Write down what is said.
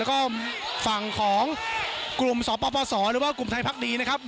แล้วก็ฝั่งของกลุ่มสอบประวัติศาสตร์หรือว่ากลุ่มไทยภาคดีนะครับ